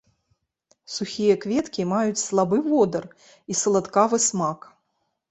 Сухія кветкі маюць слабы водар і саладкавы смак.